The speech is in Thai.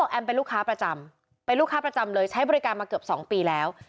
เขาบอกแอมเป็นลูกค้าประจำใช้บริการมาเกือบ๒ปีแล้ว